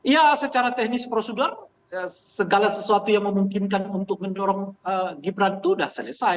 ya secara teknis prosedur segala sesuatu yang memungkinkan untuk mendorong gibran itu sudah selesai